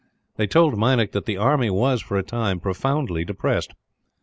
They told Meinik that the army was, for a time, profoundly depressed.